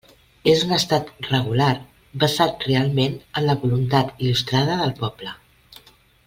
És un estat regular basat realment en la voluntat il·lustrada del poble.